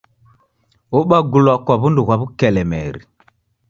Obagulwa kwa w'undu ghwa w'ukelemeri.